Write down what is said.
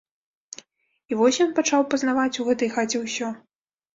І вось ён пачаў пазнаваць у гэтай хаце ўсё.